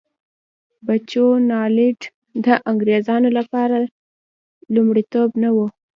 بچوانالنډ د انګرېزانو لپاره لومړیتوب نه و.